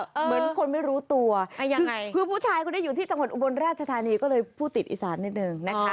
เหมือนคนไม่รู้ตัวคือผู้ชายคนนี้อยู่ที่จังหวัดอุบลราชธานีก็เลยพูดติดอีสานนิดนึงนะคะ